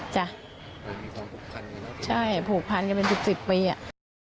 จ้ะใช่ผูกพันกันเป็นสุดไปอ่ะ